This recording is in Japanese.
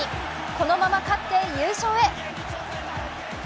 このまま勝って優勝へ。